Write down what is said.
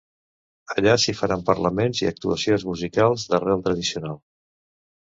Allà s’hi faran parlaments i actuacions musicals d’arrel tradicional.